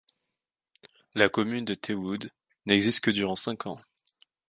La commune de 't Woud n'existe que durant cinq ans.